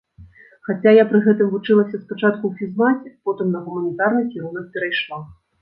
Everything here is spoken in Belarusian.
Хаця я пры гэтым вучылася спачатку ў фізмаце, потым на гуманітарны кірунак перайшла.